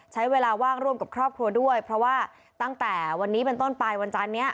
ใช้เวลาว่างร่วมกับครอบครัวด้วยเพราะว่าตั้งแต่วันนี้เป็นต้นปลายวันจันนี้